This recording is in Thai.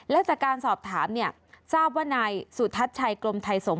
และจากการสอบถามเนี่ยทราบว่านายสุทัศน์ชัยกรมไทยสงฆ